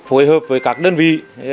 phối hợp với các đơn vị